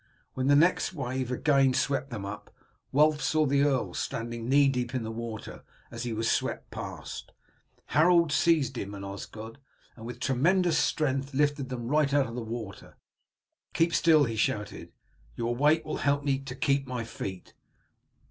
When the next wave again swept them up Wulf saw the earl standing knee deep in the water, and as he was swept past, Harold seized him and Osgod, and with tremendous strength lifted them right out of the water. "Keep still!" he shouted; "your weight will help me to keep my feet."